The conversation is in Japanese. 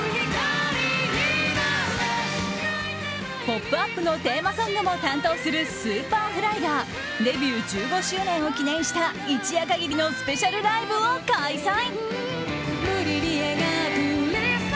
「ポップＵＰ！」のテーマソングも担当するＳｕｐｅｒｆｌｙがデビュー１５周年を記念した一夜限りのスペシャルライブを開催。